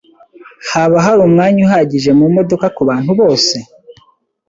Haba hari umwanya uhagije mumodoka kubantu bose?